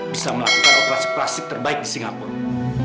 bisa melakukan operasi plastik terbaik di singapura